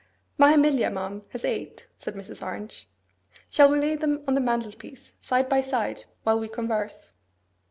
'My Emilia, ma'am, has eight,' said Mrs. Orange. 'Shall we lay them on the mantelpiece side by side, while we converse?